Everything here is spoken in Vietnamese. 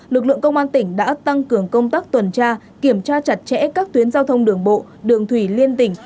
lực lượng công an tỉnh đã tăng cường công tác tuần tra kiểm tra chặt chẽ các tuyến giao thông đường bộ đường thủy liên tỉnh